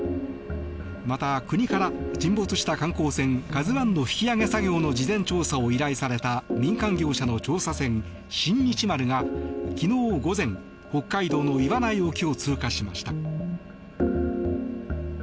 また、国から沈没した観光船「ＫＡＺＵ１」の引き揚げ作業の事前調査を依頼された民間業者の調査船「新日丸」が昨日午前北海道の岩内沖を通過しました。